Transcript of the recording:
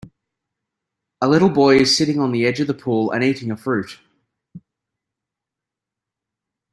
A little boy is sitting on the edge of the pool and eating a fruit.